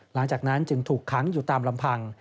หลังจากนั้นจึงถูกค้างอยู่ตามลำพัง